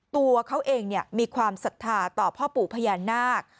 ตัวเขาเองมีความศรัทธาต่อพ่อปู่พญานาค